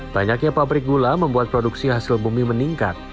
banyaknya pabrik gula membuat produksi hasil bumi meningkat